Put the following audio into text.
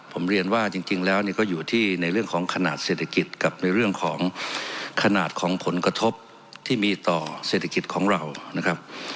ผมเรียนว่าจริงแล้วเนี่ยก็อยู่ที่ในเรื่องของขนาดเศรษฐกิจกับในเรื่องของขนาดของผลกระทบที่มีต่อเศรษฐกิจของเรานะครับ